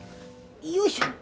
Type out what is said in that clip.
よいしょ。